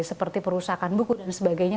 seperti perusahaan buku dan sebagainya